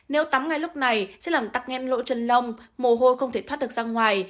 nếu tắm ngay lúc này sẽ làm tắc nghẽn lỗ chân lông mồ hô không thể thoát được ra ngoài